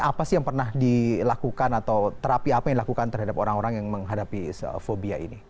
apa sih yang pernah dilakukan atau terapi apa yang dilakukan terhadap orang orang yang menghadapi fobia ini